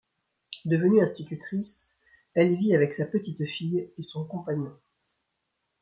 Devenue institutrice, elle vit avec sa petite fille et son compagnon.